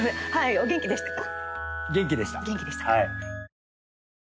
お元気でしたか？